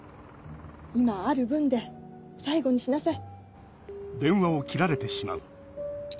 今ある分で最後にしなさい。